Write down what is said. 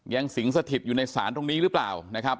ยังสิงสถิตอยู่ในศาลตรงนี้หรือเปล่า